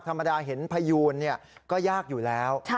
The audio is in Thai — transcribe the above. ธรรมดาเห็นพยูนก็ยากอยู่แล้ว